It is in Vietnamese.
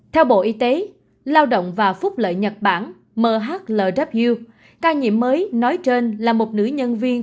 theo bộ y tế lao động và phúc lợi nhật bản mhw ca nhiễm mới nói trên là một nữ nhân viên